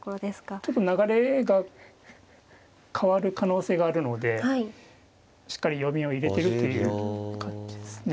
ちょっと流れが変わる可能性があるのでしっかり読みを入れてるという感じですね。